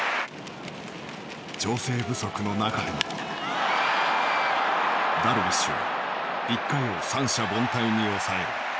調整不足の中でもダルビッシュは１回を三者凡退に抑える。